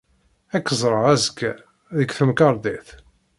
Ad k-ẓreɣ azekka, deg temkarḍit!